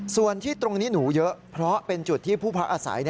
ส่วนที่ตรงนี้หนูเยอะเพราะเป็นจุดที่ผู้พักอาศัย